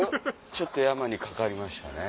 ちょっと山にかかりましたね。